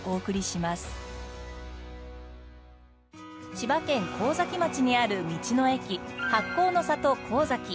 千葉県神崎町にある道の駅発酵の里こうざき。